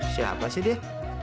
siapa sih dia